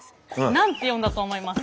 何て読んだと思います？